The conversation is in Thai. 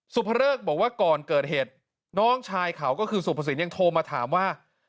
สุภเริกบอกว่าก่อนเกิดเหตุน้องชายเขาก็คือสุภสินยังโทรมาถามว่า